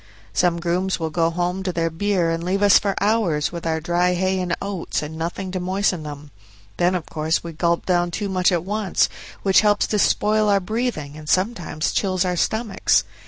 Some grooms will go home to their beer and leave us for hours with our dry hay and oats and nothing to moisten them; then of course we gulp down too much at once, which helps to spoil our breathing and sometimes chills our stomachs.